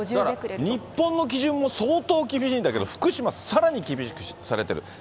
だから日本の基準も相当厳しいんだけど、福島、さらに厳しくされてる。